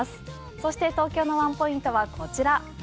そして東京のワンポイントはこちら。